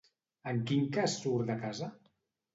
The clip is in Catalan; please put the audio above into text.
En quin cas surt de casa?